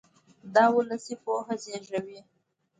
دا اولسي پوهه زېږوي.